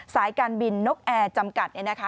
สายการบินนกแอร์จำกัดเนี่ยนะคะ